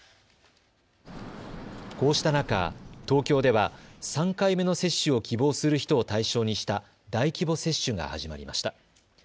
こうした中、東京では３回目の接種を希望する人を対象にした大規模接種が始まりました。